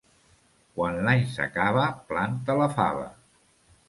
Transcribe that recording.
Quan l'any s'acaba planta la fava.